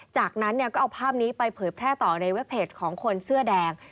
จากนั้นก็เอาภาพนี้ไปเผยแพร่ต่อในเว็บเพจของคนเสื้อแดง